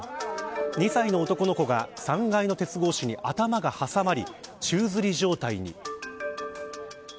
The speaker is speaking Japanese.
２歳の男の子が３階の鉄格子に頭が挟まり宙づり状態に。